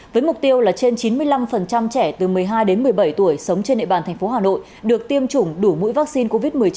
với mục tiêu là trên chín mươi năm trẻ từ một mươi hai đến một mươi bảy tuổi sống trên địa bàn thành phố hà nội được tiêm chủng đủ mũi vaccine covid một mươi chín